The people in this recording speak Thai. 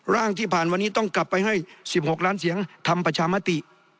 ร่างที่ผ่านวันนี้ต้องกลับไปให้๑๖ล้านเสียงทำประชามติ